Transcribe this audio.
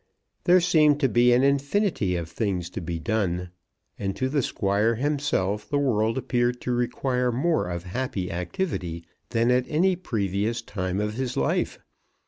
There seemed to be an infinity of things to be done, and to the Squire himself the world appeared to require more of happy activity than at any previous time of his life.